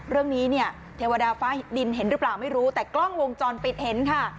เรื่องนี้เนี่ยเทวดาฟ้าดินเห็นหรือเปล่าไม่รู้แต่กล้องวงจรปิดเห็นค่ะ